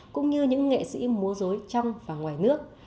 cũng như những nghệ sĩ múa dối trong và ngoài nước